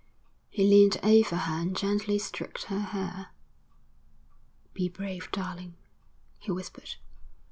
He leaned over her and gently stroked her hair. 'Be brave, darling,' he whispered.